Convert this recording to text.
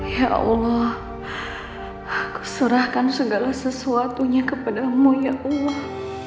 ya allah aku surahkan segala sesuatunya kepadamu ya allah